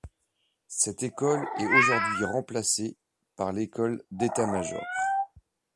Cette école est aujourd'hui remplacée par l'École d'état-major.